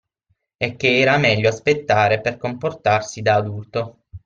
E che era meglio aspettare per comportarsi da adulto.